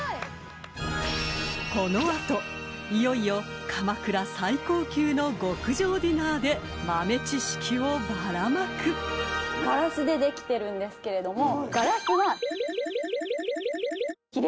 ［この後いよいよ鎌倉最高級の極上ディナーで豆知識をバラまく］ガラスでできてるんですけれども。